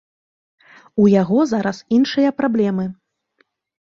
У яго зараз іншыя праблемы.